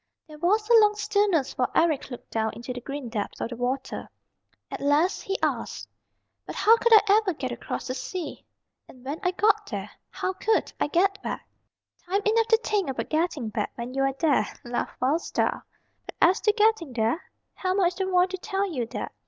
There was a long stillness while Eric looked down into the green depths of the water. At last he asked, "But how could I ever get across the sea? And when I got there how could I get back?" "Time enough to think about getting back when you are there," laughed Wild Star. "But as to getting there, Helma is the one to tell you that.